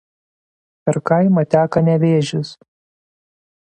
Per kaimą teka Nevėžis.